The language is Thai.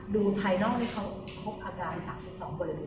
ดูภายนอกเขาครบอาการทั้ง๑๒คนอื่น